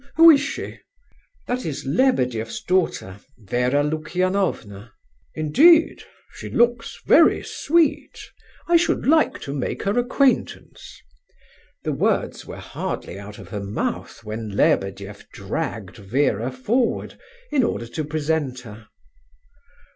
Who is she?" "That is Lebedeff's daughter—Vera Lukianovna." "Indeed? She looks very sweet. I should like to make her acquaintance." The words were hardly out of her mouth, when Lebedeff dragged Vera forward, in order to present her.